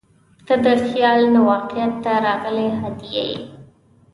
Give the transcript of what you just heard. • ته د خیال نه واقعیت ته راغلې هدیه یې.